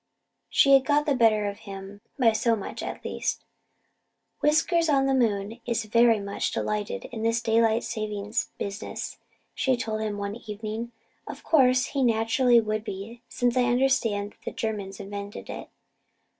She had got the better of him by so much at least. "Whiskers on the moon is very much delighted with this daylight saving business," she told him one evening. "Of course he naturally would be, since I understand that the Germans invented it.